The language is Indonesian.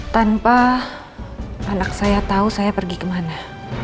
tanpa anak saya tahu saya pergi ke mana